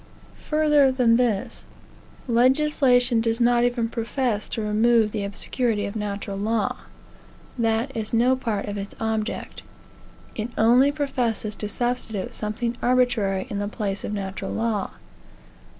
Further than this; legislation does not even profess to remove the obscurity of natural law. That is no part of its object. It only professes to substitute something arbitrary in the place of natural law.